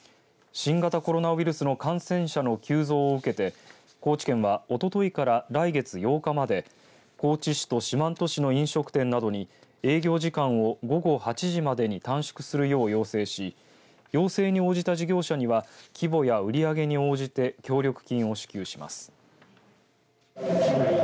新型コロナウイルスの感染者の急増を受けて高知県はおとといから来月８日まで高知市と四万十市の飲食店などに営業時間を午後８時までに短縮するよう要請し要請に応じた事業者には規模や売り上げに応じて協力金を支給します。